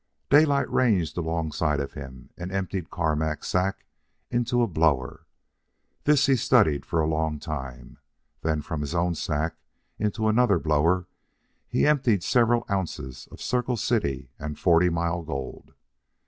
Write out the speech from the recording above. Daylight ranged alongside of him and emptied Carmack's sack into a blower. This he studied for a long time. Then, from his own sack, into another blower, he emptied several ounces of Circle City and Forty Mile gold.